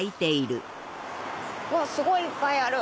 すごいいっぱいある！